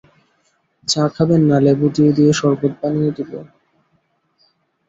চা খাবেন, না লেবু দিয়ে দিয়ে সরবত বানিয়ে দেব?